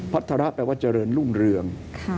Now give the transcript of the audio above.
พัฒนาแปลว่าเจริญรุ่งเรือง